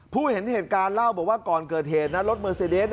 เห็นเหตุการณ์เล่าบอกว่าก่อนเกิดเหตุนะรถเมอร์ซีเดส